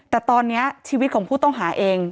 แต่ตอนนี้ชีวิตของผู้ต้องหาเอง